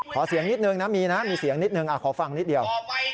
ขอเสียงนิดนึงนะมีนะมีเสียงนิดนึงขอฟังนิดเดียว